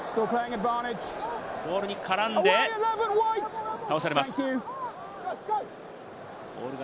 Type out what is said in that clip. ボールに絡んで、倒されます。